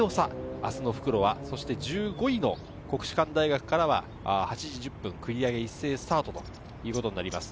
明日の復路は１５位の国士舘大学からは８時１０分、繰り上げ一斉スタートということになります。